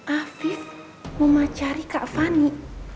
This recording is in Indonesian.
afif mau mencari kak fani